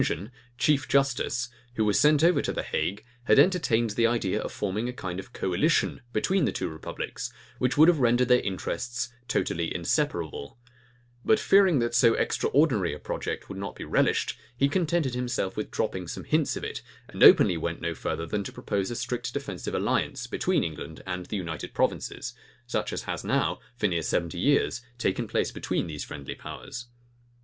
John, chief justice, who was sent over to the Hague, had entertained the idea of forming a kind of coalition between the two republics, which would have rendered their interests totally inseparable; but fearing that so extraordinary a project would not be relished, he contented himself with dropping some hints of it, and openly went no further than to propose a strict defensive alliance between England and the United Provinces, such as has now, for near seventy years taken place between these friendly powers.